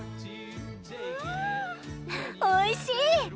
んおいしい！